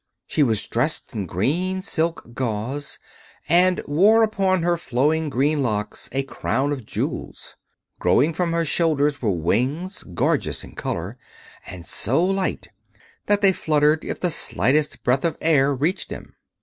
She was dressed in green silk gauze and wore upon her flowing green locks a crown of jewels. Growing from her shoulders were wings, gorgeous in color and so light that they fluttered if the slightest breath of air reached them.